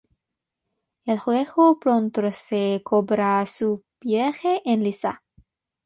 El juego pronto se cobra su peaje en Lisa.